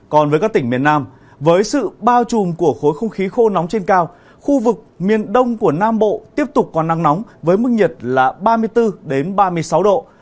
còn với các tỉnh miền nam với sự bao trùm của khối không khí khô nóng trên cao khu vực miền đông của nam bộ tiếp tục có nắng nóng với mức nhiệt là ba mươi bốn ba mươi sáu độ